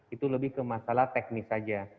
itu lebih ke masalah teknis saja